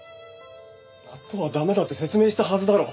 納豆は駄目だって説明したはずだろ。